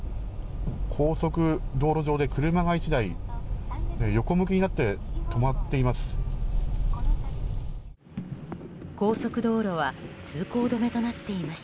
高速道路上で車が１台、横向きになって止まっています。